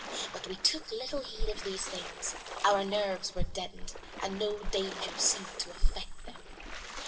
But we took little heed of these things: our nerves were deadened, and no danger seemed to affect them.